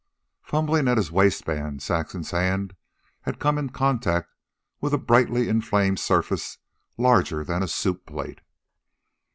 Fumbling at his waistband, Saxon's hand had come in contact with a brightly inflamed surface larger than a soup plate.